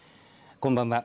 こんばんは。